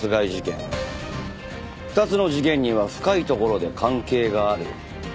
２つの事件には深いところで関係がある。